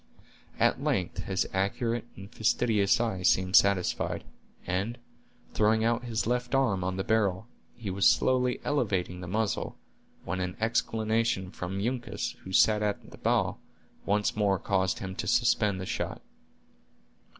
At length his accurate and fastidious eye seemed satisfied, and, throwing out his left arm on the barrel, he was slowly elevating the muzzle, when an exclamation from Uncas, who sat in the bow, once more caused him to suspend the shot.